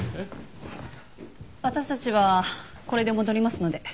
私たちはこれで戻りますので。